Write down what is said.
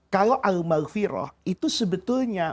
kalau al maghfirah itu sebetulnya